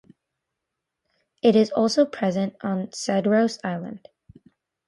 It is also present on Cedros Island.